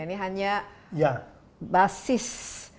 ini hanya basis